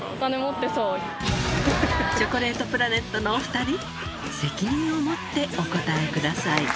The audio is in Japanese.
チョコレートプラネットのお２人責任を持ってお答えください